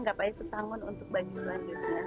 gak payah pesangon untuk bagi luar